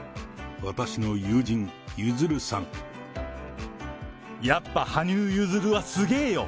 私の友人、やっぱ羽生結弦はすげぇよ！